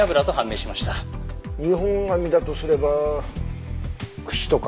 日本髪だとすればくしとか？